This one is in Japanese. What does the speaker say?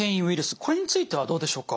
これについてはどうでしょうか？